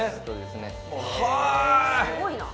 すごいな。